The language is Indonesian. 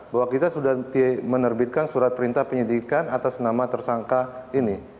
bahwa kita sudah menerbitkan surat perintah penyidikan atas nama tersangka ini